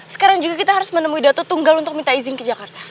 sekarang juga kita harus menemui datu tunggal untuk minta izin ke jakarta